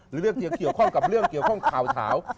เรื่องที่เกี่ยวข้องกับเรื่องเกี่ยวข้องข่าวเฉา